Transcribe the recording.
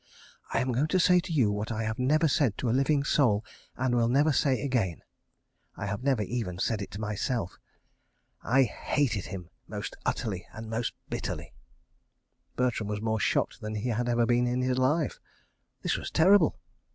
"I am going to say to you what I have never said to a living soul, and will never say again. ... I have never even said it to myself. ... I hated him most utterly and most bitterly. ..." Bertram was more shocked than he had ever been in his life. .. This was terrible!